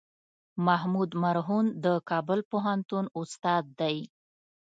محمود مرهون د کابل پوهنتون استاد دی.